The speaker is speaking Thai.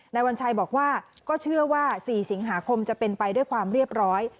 วัญชัยบอกว่าก็เชื่อว่า๔สิงหาคมจะเป็นไปด้วยความเรียบร้อย